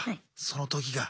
その時が。